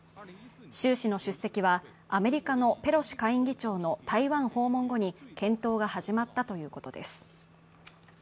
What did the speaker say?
習氏の出席はアメリカのペロシ下院議長の台湾訪問後に検討が始まったということです。